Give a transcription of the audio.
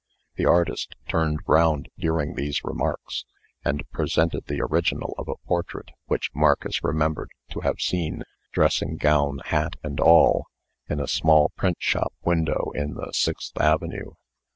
The artist turned round during these remarks, and presented the original of a portrait which Marcus remembered to have seen dressing gown, hat, and all in a small print shop window in the Sixth Avenue.